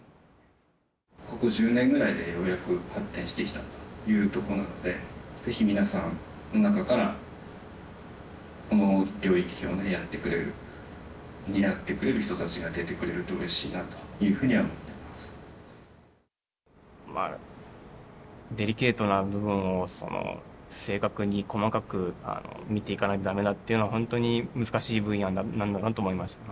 ここ１０年ぐらいでようやく発展してきたというとこなので、ぜひ皆さんの中から、この領域をね、やってくれる、担ってくれる人たちが出てくれるとうれしいなというふうには思っまあ、デリケートな部分を正確に細かく診ていかないとだめだっていうのは、本当に難しい分野なんだなと思いました。